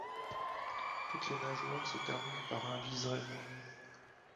Toutes les nageoires se terminent par un liseré noir.